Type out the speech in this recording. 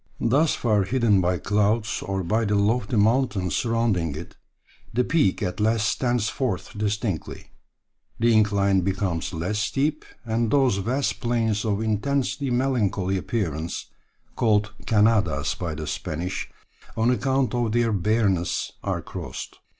Thus far hidden by clouds or by the lofty mountains surrounding it, the peak at last stands forth distinctly, the incline becomes less steep, and those vast plains of intensely melancholy appearance, called Cañadas by the Spanish, on account of their bareness, are crossed.